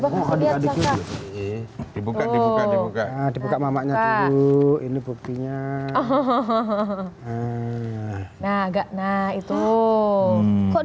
hai tuh coba lihat di buka buka di buka buka mamanya dulu ini buktinya hahaha nah itu kok